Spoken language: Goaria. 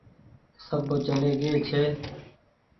سب چلي گيئي ڇي۔